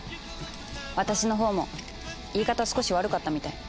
私のほうも言い方少し悪かったみたい。